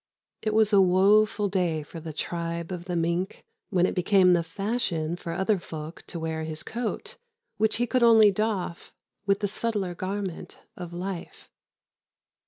It was a woeful day for the tribe of the mink when it became the fashion for other folk to wear his coat, which he could only doff with the subtler garment of life.